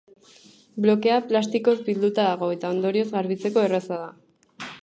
Blokea plastikoz bilduta dago eta, ondorioz, garbitzeko erraza da.